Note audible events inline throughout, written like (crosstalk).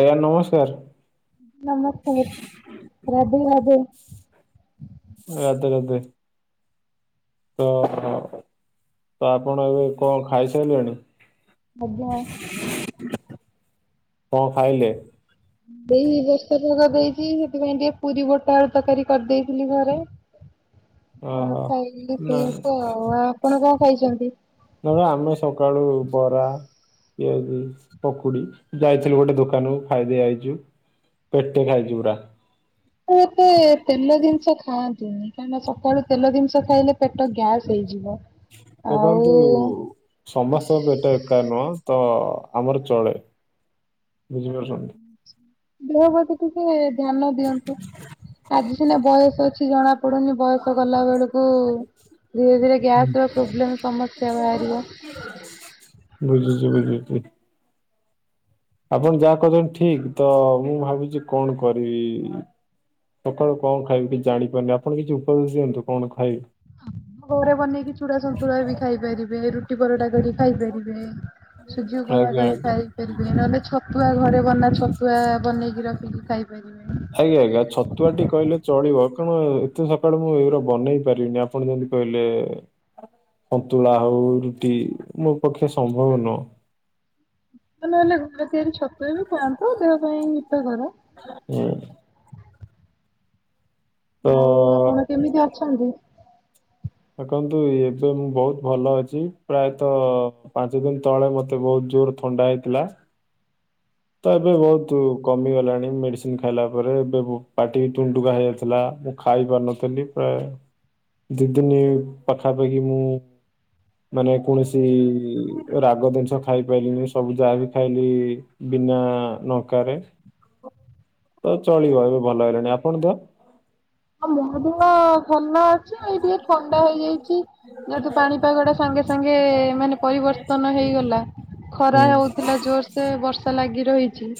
ଆଜ୍ଞା ନମସ୍କାର। ନମସ୍କାର ରାଧେ ରାଧେ। ରଧେ ରାଧେ। ତ ତ ଆପଣ ଏବେ କଣ ଖାଇସାରିଲେଣି? ଆଜ୍ଞା। କଣ ଖାଇଲେ? ଦେଇ ବ୍ୟସ୍ତ ଭାଗ ଦେଇଛି ସେଥିପାଇଁ ଟିକେ ପୁରୀ ବୋଟା ତରକାରୀ କରିଦେଇଥିଲି ଘରେ। ହଁ ଓହୋ ଖାଇ ନା ଶଇଆକୁ ଆଉ ଆଉ ଆପଣ କଣ ଖାଇଛନ୍ତି। ଜଣେ ଆମେ ସକାଳୁ ବରା ପିଆଜି ପକୁଡି ଯାଇଥିଲୁ ଗୋଟେ ଦୋକାନକୁୁ ଖାଇଦେଇ ଆଇଛୁ। ପେଟେ ଖାଇଛି ପୁରା। ମତେ ତେଲ ଜିନିଷ ଖାଆନ୍ତିନି କାହିଁକନା ସକାଳୁ ତେଲ ଜିନିଷ ଖାଇଲେ ପେଟ ଗ୍ୟାସ୍ ହେଇଯିବ। ଆଉ ଦେଖନ୍ତୁ ସମସ୍ତ ପେଟ ଏକା ନୁହଁ। ତ ଆମର ଚଳେ ବୁଝିପାରୁଛନ୍ତି। ଗୃହବତୀ ଟିକେ ଧ୍ୟାନ ଦିଅନ୍ତୁ ଆଜି ସିନା ବୟସ ଅଛି ଜଣା ପଡୁନି ବୟସ। ତୁ ଗଲାବେଳକୁ ଧୀରେ ଧୀରେ ଗ୍ୟାସ ର ପ୍ରୋବ୍ଲେମ ସମସ୍ୟା ବାହାରିବ। ବୁଝିଛି। ହ ଆପଣ ଯାହା କରଛନ୍ତି ଠିକ୍ ତ ମୁଁ ଭାବୁଛି କଣ କରିବି। ସକାଳୁ କଣ ଖାଇବି କିଛି ଜାଣିପାରୁନି ଆପଣ କିଛି ଉପଦେଶ ଦିଅନ୍ତୁ କଣ ଖାଇବି। ଆମ ଘରେ ବନେଇକି ଛୁଡ଼ା ସନ୍ତୁଳା ବି ଖାଇ ପାରିବେ ରୁଟି ପରଟା କରିକି। ଖାଇପାରିବେ ସୁଜି ଉପମା ଆଜ୍ଞା କରିକି ଆଜ୍ଞା ଖାଇପାରିବେ ନହେଲେ ଛତୁଆ ଘରେ ବନା ଛତୁଆ ବନେଇକି ରଖିକି ଖାଇପାରିବେ। ଆଜ୍ଞା ଆଜ୍ଞା ଛତୁଆଟି କହିଲେ ଚଳିବ। କଣ ଏତେ ସକାଳେୁ ମୁଁ ଏଇଗା ବନେଇ ପାରିବିନି ଆପଣ ଯେମିତି କହିଲେ। ସନ୍ତୁଳା ହଉ ରୁଟି ମୋ ପକ୍ଷେ ସମ୍ଭବ ନୁହଁ। ହୀତ ନହେଲେ ଘରେ ତିଆରି ଛତୁ ବି ଖାଆନ୍ତ ଦେହ ପାଇଁ ହୀତ କର। ହୁଁ। ତ ଆଉ ଆପଣ କେମିତି ଅଛନ୍ତି? ଦେଖନ୍ତୁ ଏବେ ମୁଁ ବହୁତ ଭଲ ଅଛି ପ୍ରାୟତଃ ପାଞ୍ଚ ଦିନ ତଳେ ମତେ ବହୁତ ଜୋର ଥଣ୍ଡା ହେଇଥିଲା। ତ ଏବେ ବହୁତ କମିଗଲାଣି ମେଡିସିନ ଖାଇଲା ପରେ ଏବେ ପାଟି ଟୁଣ୍ଟୁକା ହେଇଯାଇଥିଲା। ମୁଁ ଖାଇ ପାରୁନଥିଲି ପ୍ରାୟ ଦି ଦିନ ପାଖାପାଖି ମୁଁ ମାନେ କୌଣସି ରାଗ ଜିନିଷ ଖାଇପାରିଲିନି ସବୁ ଯାହା ବିି ଖାଇଲି ବିନା ନଙ୍କା ରେ ତ ଚଳିବ ଏବେ ଭଲ ହେଇଲାଣି ଆପଣ ଦେଅ? ଆଉ ମହଦିନ ଭଲ ଅଛି ଏଇ ଟିକେ ଥଣ୍ଡା ହେଇଯାଇଛି। ଯହେତୁ ପାଣିପାଗ ଟା ସାଙ୍ଗେ ସାଙ୍ଗେ ମାନେ ପରିବର୍ତ୍ତନ ହେଇଗଲା ଖରା ହୁଁ। ହଉଥିଲା ଜୋର ସେ ବର୍ଷା ଲାଗି ହିଛି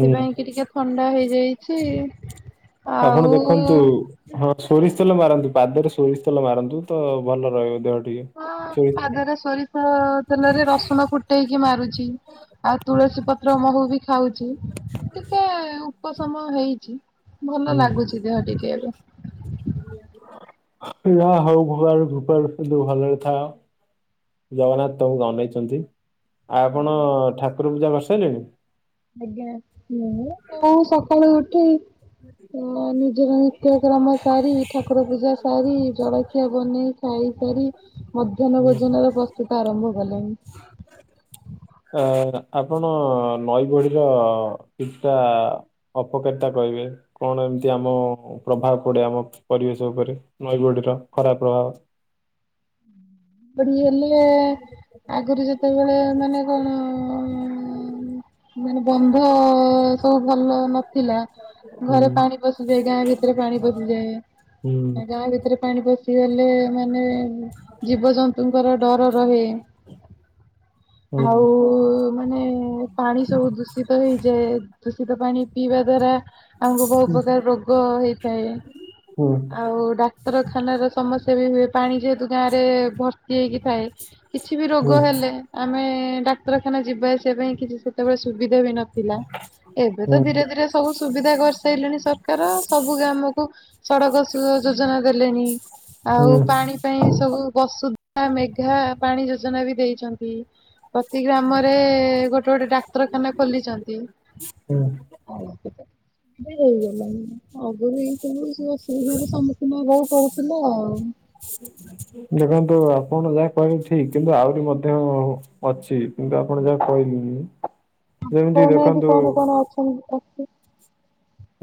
ହୁଁ କି ଟିକେ ଥଣ୍ଡା ହେଇଯାଇଛି। ଆପଣ ଆଉ ଦେଖନ୍ତୁ ହଁ ସୋରିଷ ତେଲ ମାରନ୍ତୁ ପାଦରେ ସୋରିଷ ତେଲ ମାରନ୍ତୁ ତ ଭଲ ରହିବ ଦେହ ହଁ ଟିକେ। ସୋରିଷ ପାଦରେ ସୋରିଷ ତେଲ ତେଲରେ ରେ ରସୁଣ ଫୁଟେଇକି ମାରୁଛି। ଆଉ ତୁଳସୀ ପତ୍ର ମହୁ ବି ଖାଉଛି ଟିକେ ଉପଶମ ହେଇଛି। ଭଲ ଲାଗୁଛି ଦେହ ଟିକେ ଏବେ। ଯା ହଉ ଭଗବାନଙ୍କ କୁପାରୁ ଭଲରେ ଥାଅ। ଜଗନ୍ନାଥ ତମଙ୍କୁ ଅନେଇଛନ୍ତି ଆଉ ଆପଣ ଠାକୁର ପୂଜା କରିସାରିଲେଣି। ଆଜ୍ଞା ମୁୁଁ କଉ ସକାଳୁ ଉଠି ହ ମୋର ନିତ୍ୟକ୍ରମ ସାରି ଠାକୁର ପୂଜା ସାରି ଜଳଖିଆ ବନେଇ ଖାଇସାରି ମଧ୍ୟାହ୍ନ ହୁଁ ଭୋଜନର ପ୍ରସ୍ତୁତ ଆରମ୍ଭ କଲେଣି? ଅ ଆପଣ ନଈ ବଢିର କିଛିଟା ଅପକାରୀ କହିବେ କଣ ଏମିତି ଆମ ପ୍ରଭାବ ପଡେ ଆମ ପରିବେଶ ଉପରେ ନଈ ବଢିର ଖରାପ ପ୍ର ଏ ଆଗରୁ ଯେତେବେଳେ ମାନେ କଣ ମାନେ ବନ୍ଧ ସବୁ ଭଲ ନଥିଲା ହୁଁ ଘରେ ପାଣି ପଶିଯାଏ ଗାଁ ଭିତରେ ପାଣି ପଶିଯାଏ ହୁଁ ଗାଁ ଭିତରେ ପାଣି ପସି ଲେ ମାନେ ଜୀବଜନ୍ତୁଙ୍କର ଡର ରହେ। ହୁଁ ଆଉ ମାନେ ପାଣି ସବୁ ଦୂଷିତ ହେଇଯାଏ। ଦୂଷିତ ପାଣି ପିଇବା ଦ୍ଵାରା ଆମୁକୁ ବହୁ ପକାର ରୋଗ ହେଇଥାଏ ହୁଁ ଆଉ ଡାକ୍ତରଖାନାର ସସ ଥିବି ହୁଏ ପାଣି ଯେହେତୁ ଗାଁରେ ଭର୍ତ୍ତି ହେଇକି ଥାଏ କିଛି ବି ହୁଁ ରୋଗ ହେଲେ ଆମେ ନେ ଡାକ୍ତରଖାନା ଯିବା ଆସିବା ପାଇଁ କିଛି ସେତେବେଳେ ସୁବିଧା ବି ନଥିଲା। ଏବେ ହୁଁ ତ ଧୀରେ ଧୀରେ ସବୁ ସୁବିଧା କରିସାରଲେଣି ସରକାର ସବୁ ଗ୍ରାମକୁ ସଡକ ସ ଯୋଜନା ଦେଲେଣିି ଆଉ ହୁଁ ପାଣି ପାଇଁ ଚେ ସବୁ ବସୁଧା ମେଘା ପାଣି ଯୋଜନା ବି ଦେଇଚନ୍ତି। ପ୍ରତି ଗ୍ରାମରେ ଗୋଟେ ଗୋଟେ ଡାକ୍ତରଖାନା ଖୋଲିଚନ୍ତି। ହୁଁ (unintelligible) ଅଗୁରୁ ଏଇ ସବୁ ଅସୁବିଧାରେ ସମ୍ମୁଖୀନ ହବାକୁ ପଡୁଥିଲା ଆଉ। ଦେଖନ୍ତୁ ଆପଣ ଯାହା କହିଲେ ଠିକ କିନ୍ତୁ ଆହୁରି ମଧ୍ୟ ଅଛି କିନ୍ତୁ ଆପଣ ଯାହା କହି ହୁଁ। କହୁନାହାନ୍ତି କଣ କଣ ଅଛନ୍ତି ଅଛି?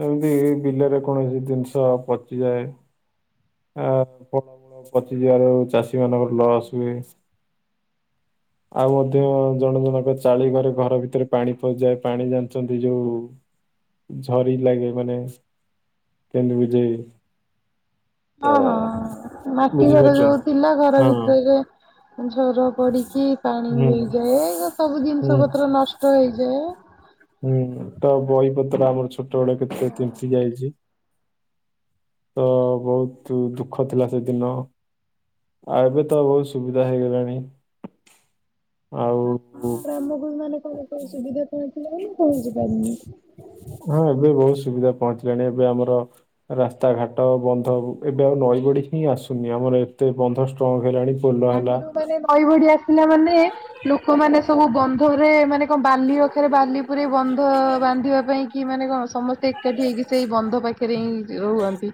ଏମିତି ବିଲରେ କୌଣସି ଜିନିଷ ପଚିଯାଏ। ଆ ଫଳ ମୂଳ ପଚିଯିବାରୁ ଚାଷୀ ମାନଙ୍କର ଲସ୍ ହୁଏ। ଆଉ ମଧ୍ୟ ଜଣ ଜଣକ ଚାଳି ଘରେ ଘର ଭିତରେ ପାଣି ପଶିଯାଏ ପାଣି ଜାଣିଛନ୍ତି ଯୋଉ ଝରି ଲାଗେ ମାନେ କେମିତି ବୁଝେଇବି ହଁ ହଁ ମାଟି ଘର ଯୋଉ ଥିଲା ଘର ହଁ ଭିତରେ ଝର ପଡିକି ପାଣି ହୁଁ ହେଇଯାଏ ଗ ସବୁ ହୁଁ ଜିନିଷ ପତ୍ର ନଷ୍ଟ ହେଇଯାଏ। ହୁଁ ତ ବହିପତ୍ର ଆମର ଛୋଟ ବଡ କେତେ କେମିତି ଯାଇଚି। ତ ବହୁତ ଦୁଃଖ ଥିଲା ସେଦିନ। ଆଉ ଏବେ ତ ବହୁତ ସୁବିଧା ହେଇଗଲାଣି। ଆଉ ଆପଣ ଗ୍ରାମକୁ ମାନେ କଣ କଣ ସୁବିଧା ପହଁଞ୍ଚିଲାନି ନା ପହଞ୍ଚି ପାରୁନି। ହଁ ଏବେ ବହୁତ ସୁବିଧା ପହଞ୍ଚିଲାଣି ଏବେ ଆମର ରାସ୍ତା ଘାଟ ବନ୍ଧ ହଉ ଏବେ ଆଉ ନଈ ବଡି ହିଁ ଆସୁନି ଆମର ଏତେ ବନ୍ଧ ଷ୍ଟ୍ରଙ୍ଗ ହେଲାଣି। ପୋଲ ହେଲା ଆଗରୁ ମାନେ ନଈ ବଢି ପିଲା ମାନେ ଲୋକମାନେ ସବୁ ବନ୍ଧରେ ମାନେ କଣ ବାଲି ଅଖାରେ ବାଲି ପୁରେଇ ବନ୍ଧ ବା ବାନ୍ଧିବା ପାଇଁ କି ମାନେ କଣ ସମସ୍ତେ ଏକାଠି ହେଇକି ସେଇ ବନ୍ଧ ପାଖରେ ହି ରୁହନ୍ତି।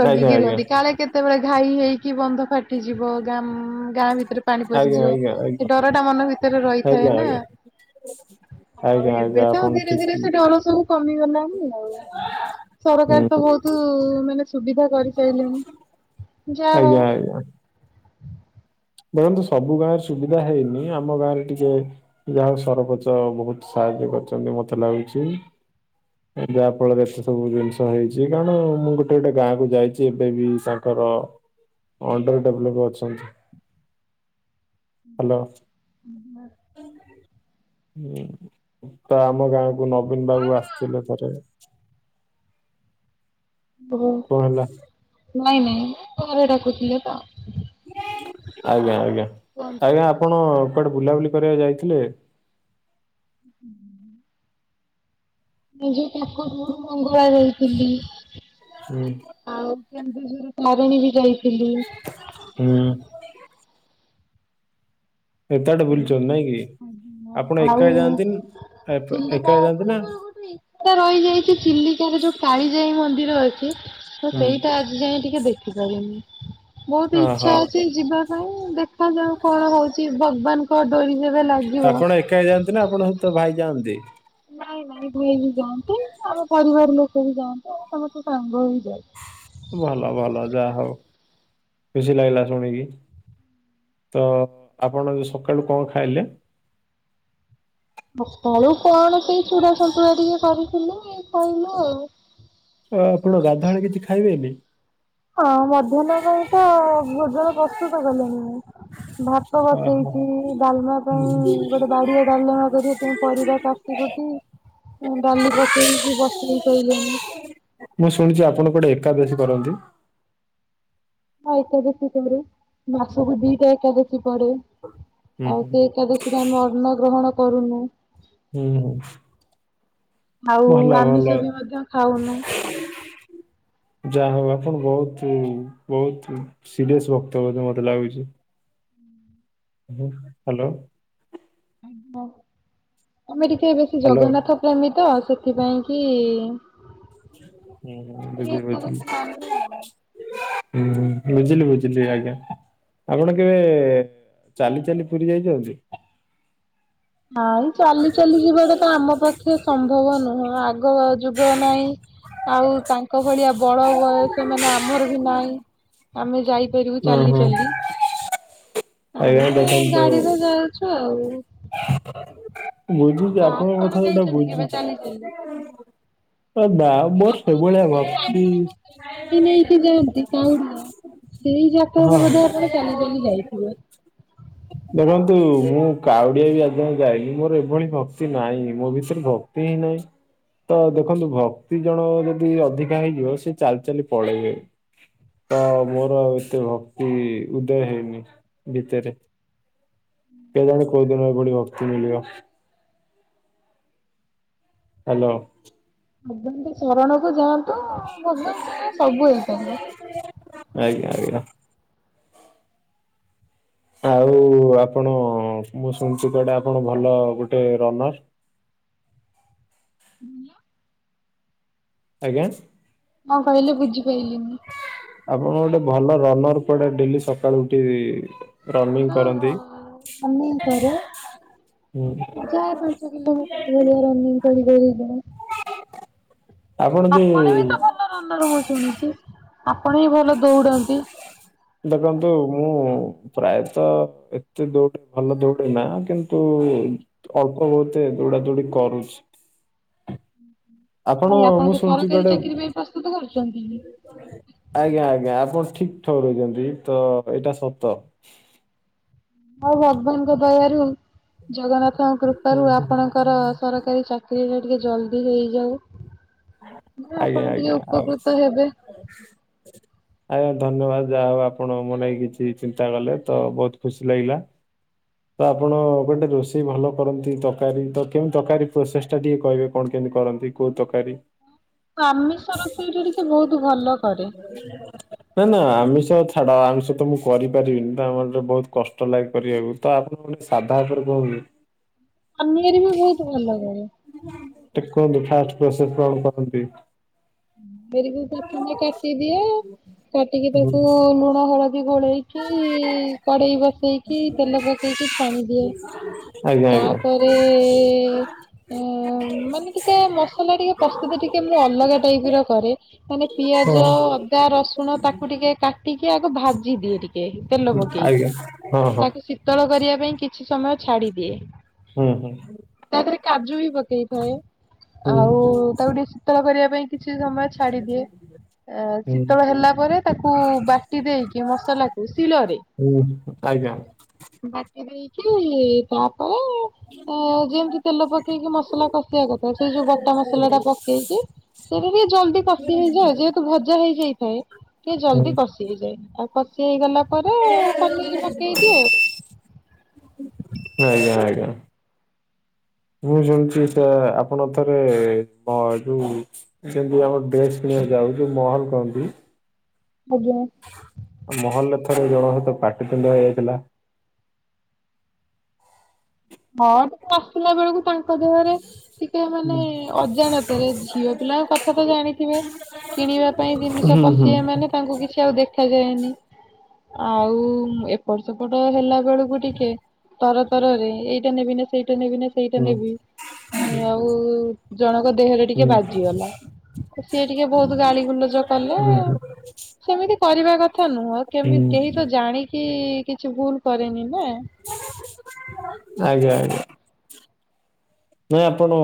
ଜଗିକି ଆଜ୍ଞା ଆଜ୍ଞା ରୁହନ୍ତି କାଳେ କେତେବେଳେ ଘାଇ ହେଇକି ବନ୍ଧ ଫାଟିଯିବ ଗାଁ ଫାଁ ଗାଁ ଭିତରେ ପାଣି ଆଜ୍ଞା ପଶିଯିବ ଆଜ୍ଞା ସେ ଆଜ୍ଞା ଡର ଟା ମନ ଭିତରେ ରହିଥାଏ ଆଜ୍ଞା ନା। ଆଜ୍ଞା ଆଉ ଆଜ୍ଞା ଏବେ ଆଜ୍ଞା ତ ଆପଣ ଧୀରେ ଠିକ ଧୀରେ ସେ ଡର ସବୁ କମିଗଲାଣିି ଆଉ। ହୁଁ ସରକାର ତ ବହୁତୁ ମାନେ ସୁବିଧା କରିସାରିଲେଣିି ଯା ହଉ ଆଜ୍ଞା ଆଜ୍ଞା ଦେଖନ୍ତୁ ସବୁ ଗାଁରେ ସୁବିଧା ହେଇନି ଆମ ଗାଁ ରେ ଟିକେ ଯାହା ସରପଞ୍ଚ ବହୁତ ସା କରିଚନ୍ତି ମତେ ଲାଗୁଚି। ଯାହା ଫଳରେ ଏତେ ସବୁ ଜିନିଷ ହେଇଚି କାରଣ ମୁଁ ଗୋଟେ ଗୋଟେ ଗାଁ କୁ ଯାଇଚି ଏବେ ବି ସାଙ୍ଗ ତ ଅଣ୍ଡର ଡେଭଲପ ଅଛନ୍ତି। ହ୍ୟାଲୋ। (inaudible) ହୁଁ ତ ଆମ ଗାଁକୁ ନବୀନ ବାବୁ ଆସିଥିଲେ ଥରେ। (inaudible) ଓ ଙ୍କ ହେଲା? ନାଇଁ ନାଇଁ ଘରେ ଡାକୁଥିଲେ ତ। ଆଜ୍ଞା ଆଜ୍ଞା କୁହନ୍ତୁ। ଆଜ୍ଞା ଆପଣ କୁଆଡେ ବୁଲାବୁଲି କରିବାକୁ ଯାଇଥିଲେ (inaudible) ମୁ ତାକୁ ଗୁରୁ ମଙ୍ଗଳା ଦେଇଥିଲି। ହୁଁ। କେନ୍ଦୁଝର ତାରିଣୀ ବି ଯାଇଥିଲି। ହୁଁ ଏତେବାଟ ବୁଲିଛନ୍ତି ନାଇଁ କି? ଆପଣ ଆଉ ଏକା ଯାଆନ୍ତି ନା- ଏପ- ଏକା ଚିଲିକା ଯାଆନ୍ତି ମାନେ ନା? ମୋର ଗୋଟେ ଇଛା ରହିଯାଇଛି ଚିଲାକା ରେ ଯୋଉ କାଳିଜାଇ ମନ୍ଦିର ଅଛି ତ ହୁଁ। ସେଇଟା ଆଜି ଯାଇ ଟିକେ ଦେଖିପାରନି। ବହୁତ ଓହୋ ଇଚ୍ଛା ହଛି ଯିବା ପାଇଁ ଦେଖ ଯାଉ କଣ ହଉଛି ଭଗବାନଙ୍କ ଡୋରି ଯେବେ ଲାଗିବ ଆପଣ ଏକା ଯାଆନ୍ତି ନା ଆପଣ ସହିତ ଭାଇ ଯାଆନ୍ତି। ନାଇଁ ନାଇଁ ଭାଇ ବି ଯାଆନ୍ତି ଆମ ପରିବାର ଲୋକ ବି ଯାଆନ୍ତି ଆଉ ସମସ୍ତ ସାଙ୍ଗହେଇକି ଯାଉ। ଭଲ ଭଲ ଯାହା ହଉ ଖୁସି ଲାଗିଲା ଶୁଣିକି। ତ ଆପଣ ସକାଳୁ କଣ ଖାଇଲେ? ସକାଳୁ କଣ ସେ ଚୁରା ସନ୍ତୁରା ଟିକେ କରିଥିଲେ କହିଲୁ ଆଉ। ଆଁ ଆପଣ ଗାଧୁଆଳେ କିଛି ଖାଇବେନି? ହଁ ମଧ୍ୟାହ୍ନ ପାଇଁ ତଭୋଜନ ପ୍ରସ୍ତୁତ କଲେଣିି ମୁଁ। ଭାତ ଓହୋ ବସେଇଛି ଡାଲମା ପାଇଁ ଗୋଟେ ବାଡିଆ ଡାଲମା କରିବା ପାଇଁ ପରିବା କାଟି ଗୋଟି ହୁଁ ଡାଲି ପାକେଇ କି ବଖରି ସାଇଲିଣିି। ମୁଁ ଶୁଣିଛି ଆପଣ ଗୋଟେ ଏକାଦଶୀ କରନ୍ତି। ହଁ ଏକାଦଶୀ କରେ ମାସକୁ ଦିଟା ଏକାଦଶୀ ପଢେ। ହୁଁ ଆଉ ହୁଁ ସେ ଏକାଦଶୀରେ ଆମେ ଅନ୍ନ ଗ୍ରହଣ କରୁନୁ। ହୁଁ ହୁଁ। ଆଉ ଭଲ ଭଲ ଆମିଷ ବି ମଧ୍ୟ ଖାଉନୁ। ଯାହା ହଉ ଆପଣ ବହୁତୁ ବହୁତୁ ସିରିଅସ ଭକ୍ତ ବୋଧେ ମତେ ଲାଗୁଛି। ହ୍ୟାଲୋ। ଆ ହ ଆମେ ଟିକେ ବେଶୀ ହ୍ୟାଲୋ ଜଗନ୍ନାଥ ପ୍ରେମୀ ତ ସେ ସେଥିପାଇଁ କି ହୁଁ ହୁଁ ଟିକେ ବୁଝି ବୁଝିଲି ଏକାଦଶୀ ମାନୁ ଆଉ। । ହୁଁ ବୁଝିଲି ବୁଝିଲି ଆଜ୍ଞା। ଆପଣ କେବେ ଚାଲି ଚାଲି ପୁରୀ ଯାଇଛନ୍ତି? ନାଇ ଚାଲି ଚାଲି ଯିବାଟା ତ ଆମ ପକ୍ଷେ ସମ୍ଭବ ନୁହଁ । ଆଗ ଯୁଗ ନାଇଁ । ଆଉ ତାଙ୍କ ଭଳିଆ ବଳ ବୟସ ମାନେ ଆମର ବି ନାହିଁ। ଆମେ ଯାଇ ଫେରିବୁ ଓ ଚାଲି ହୋ। ଚାଲି ଆଜ୍ଞା ।ଆମେ ଦେଖନ୍ତୁ ଗାଡିରେ ଯାଉଛୁ ଆଉ। ବୁଝୁଛି ଆପଣଙ୍କ ଆପଣ କଥା ସେଇଟା ଯାଇଛନ୍ତି କେବେ ଚାଲି ଚାଲି? ବୁଝୁଛି ନାଁ ମ ସେଇ ଆପଣଙ୍କ ଭଳିଆ ଯୋଉ ଭକ୍ତି ଗାଡି ନେଇକି ଯାଆନ୍ତି କାଉଡିଆ (unintelligible) ସେଇ ହଁ। ଜାଗାରେ ବୋଧେ ଆପଣ ଚାଲି ଚାଲି ଯାଇଥିବେ। ଦେଖନ୍ତୁ ମୁଁ କାଉଡିଆ ବି ଆଜିଯାଏଁ ଯାଇନି। ମୋର ଏଭଳି ଭକ୍ତି ନାହିଁ । ମୋ ଭିତରେ ଭକ୍ତି ତି ନାହିଁ। ତ ଦେଖନ୍ତୁ ଭକ୍ତି ଜଣଙ୍କର ଯଦି ଅଧିକା ହେଇଯିବ ସେ ଚାଲି ଚାଲି ପଳେଇବେ। ତ ମୋର ଏତେ ଭକ୍ତି ଉଦୟ ହେଇନି ଭିତରେ। କେଜାଣି କୋଉଦିନ ବୁଡ଼ି ଭକ୍ତି ମିଳିବ। ହ୍ୟାଲୋ। ଭଗବାନଙ୍କ ଶରଣକୁୁ ଯାଆନ୍ତୁ, ଭଗବାନ ଚାହିଁଲେ ସବୁ ହେଇପାରିବ। ଆଜ୍ଞା ଆଜ୍ଞା। ଆଉ ଆପଣ, ମୁଁ ଶୁଣଛି କୁଆଡେ ଆପଣ ଭଲ ଗୋଟେ ରନର। ଆଜ୍ଞା। କଣ କହିଲେ ବୁଝି ପାଇଲିନି । କଣ ଗୋଟେ ଭଲ ରନର କୁଆଡେ ଡେଲି ସକାଳୁ ଉଠି ରନିଂ ହଁ କରନ୍ତି ହଁ ରନିଙ୍ଗି କରେ। ହୁଁ ଯାଏ ପାଞ୍ଚ କିଲୋମିର ସେଇ ଭଳିଆ ରନୀ ଙ୍ଗି କରି କରି (unintelligible) ଆପଣ ବି ତ ଭଲ ରନର (unintelligible) ବି ଭଲ ଦୌଡନ୍ତି। (inaudible) ପ୍ରାୟତଃ ଏତେ ଦୌଡେ, ଭଲ ଦୌଡେ ନା କିନ୍ତୁ ଅଳ୍ପ ବହୁତ ଦୌଡ଼ା ଦୌଡ଼ି କରୁଛି। ଆପଣ ଭାଇ ମୁଁ ଆପଣଙ୍କୁ ଶୁଣଛି ସରକାରୀ କୁଆଡ଼େ ଚାକିରି ପାଇଁ ପ୍ରସ୍ତୁତ କରୁଛନ୍ତି କି? ଆଜ୍ଞା ଆଜ୍ଞା ଆପଣ (unintelligible) ହୋଉ, ଭଗବାନଙ୍କ ଦୟାରୁ, ଜଗନ୍ନାଥଙ୍କ ହୁଁ କୃପାରୁ ହୁଁ ଆପଣଙ୍କର ସରକାରୀ ଚାକିରି ଚାକିରୀ ଟା ଟିକେ ଜଲ୍ଦି ହେଇଯାଉ। ନା, ଆପଣ ଆଜ୍ଞା ଟିକେ ଆଜ୍ଞା ଆଉ ଉପକୃତ ହେବେ। ଆଜ୍ଞା ଧନ୍ୟବାଦ । ଯାହା ହୋଉ ଆପଣ ମୋ ଲାଗି କିଛି ଚିନ୍ତା କଲେ, ତ ବହୁତ ଖୁସି ଲାଗିଲା। ତ ଆପଣ ଗୋଟେ ରୋଷେଇ ଭଲ କରନ୍ତି ତରକାରୀ ତଥାବି ତରକାରୀ ପ୍ରସେସ ଟା ଟିକେ କାହିବେ କଣ କେମ୍ କରନ୍ତି, କୋଉ ତରକାରୀ? ଆମିଷ ରୋଷେଇଟା ଟିକେ ବହୁତ ଭଲ କରେ। ନା ନାଁ ଆମିଷ। ତ ଛାଡ ଆଇଁଷ ତ ମୁଁ କରିପାରିବିନି ତ ଆମର ତ ବହୁତ କଷ୍ଟ ଲାଗେ କରିବାକୁ ତ ଆପଣ ଗୋଟେ ସାଧା ଆଇଟମ (unintelligible) (unintelligible) ବି ବହୁତ ଭଲ କରେ। ଟିକେ କୁହନ୍ତୁ ଫାଷ୍ଟ ପ୍ରୋଷେସ କଣ କରନ୍ତି? ପରିବା ପ୍ରଥମେ କାଟିଦିଏ। କାଟିକି ହୁଁ, ତାକୁ ଲୁଣ ହଳଦୀ ଗୋଳେଇକି କଡେଇ ବସେଇଲି ତେଲ ପାକେଇକି ଛାଣିଦିଏ। ଆଜ୍ଞା ଆଜ୍ଞା। ତାପରେ ଏଏଏ। ଏ ପିଆଜ, ହଁ ଅଦା, ରସୁଣ ତାକୁ ଟିକେ କାଟିକି ଆଗ ଭାଜି ଦିଏ ଟିକେ। ଏ ତେଲ ପକେଇକି, ଆଜ୍ଞା ହଁ ହଁ ତାକୁ ଶୀତଳ କରିବା ପାଇଁ କିଛି ସମୟ ଛାଡିଦିଏ। ହୁଁ ହୁଁ। ତା ଦେହରେ କାଜୁ ବି ପକେଇଥାଏ। ହୁଁ ଆଉ ତାକୁ ଟିକେ ଶୀତଳ କରିବାକୁ କିଛି ସମୟ ଛାଡ଼ି ଦିଏ। ଏ ହୁଁ। ଶୀତଳ ହେଲା ପରେ ତାକୁ ବାଟି ଦେଇକି ମସଲାକୁ ଶିଳରେ। ହୁଁ (unintelligible) ବାଟି ଦେଇକି ତା (inaudible) ହଁ ଯେମିତି ତେଲ ପକେଇକି ମସଲା କଷିବା କଥା ସେଇ ଯୋଉ ବଟା ମସଲା ଟା ପକେଇକି ସେଇଟା ଟିକେ ଜଲଦି କଷି ହେଇଯାଏ ଯେହେତୁ ଭଜା ହେଇଯାଇଥାଏ ଟିକେ ହୁଁ ଜଲଦି କଷି ହେଇଯାଏ। ଆଉ କଷି ହେଇଗଲା। ପରେ ପନିର ପକେଇ ଦିଏ ଆଜ୍ଞା ଆଜ୍ଞା। (inaudible) ମୁଁ ଶୁଣୁଛି ଆଁ ଆପଣ ଥରେ କଣ ଯୋଉ ଯେମତି ଆମର଼ ଡେ (unintelligible) ଯାଉ ଯେଉ ମହଲ କହନ୍ତିି। ଆଜ୍ଞା ହଁ ମହଲରେ ତ ଜଣକ ସହିତ ପାଟି ତୁଣ୍ଡ ହେଇଥିଲା। ହଁ ତ ଆସିଲା ବେଳକୁ ତା ତା ଦେହରେ ଟିକେ ମାନେ ଅଜାଣତରେ ଝିଅ ପିଲାଙ୍କ କଥା ତ ଜାଣିଥିବେ। କିଣିବା ପାଇଁ ହୁଁ ଜିନିଷ ହୁଁ ହୁଁ ପଶିବେ ମାନେ ତାଙ୍କୁ କିଛି ଆଉ ଦେଖ ଦେଇନି ଆଉ ଏପଟ ସେପଟ ହେଲା ବେଳକୁ ଟିକେ ତର ତରରେ ଏଇଟା ନେବି ନା ସେଇଟା ନେବି ନା ସେଇଟା ହୁଁ ନେବି ଆଉ ଜଣଙ୍କ ଦେହରେ ଟିକେ ହୁଁ ବାଜିଗଲା। ସିଏ ଟିକେ ବହୁତ ଗାଳିଗୁଲଜ କଲେ ହୁଁ ସେମିତି କରିବା କ ଥା ନୁହଁ କେମିତି କେହି ତ ଜାଣିକି କିଛି ଭୁଲ କରେନି। ନା। ଆଜ୍ଞା ଆଜ୍ଞା। ନାଇଁ ଆପଣ